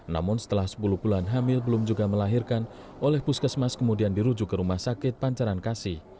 namun setelah sepuluh bulan hamil belum juga melahirkan oleh puskesmas kemudian dirujuk ke rumah sakit pancaran kasih